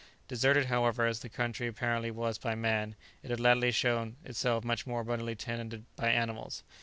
Deserted, however, as the country apparently was by man, it had latterly shown itself much more abundantly tenanted by animals.